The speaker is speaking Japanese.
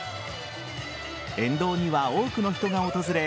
沿道には多くの人が訪れ